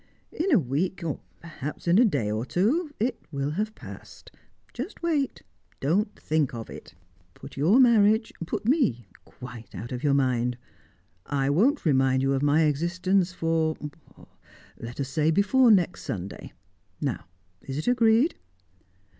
In a week perhaps in a day or two it will have passed. Just wait. Don't think of it. Put your marriage put me quite out of your mind. I won't remind you of my existence for let us say before next Sunday. Now, is it agreed?"